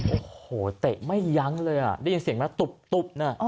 โอ้โหเตะไม่ยั้งเลยอ่ะได้ยินเสียงไหมตุ๊บน่ะ